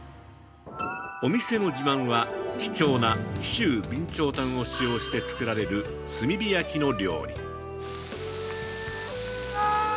お店の自慢は、貴重な「紀州備長炭」を使用して作られる炭火焼きの料理。